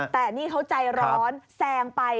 แต่นี่เขาใจร้อนแซงไป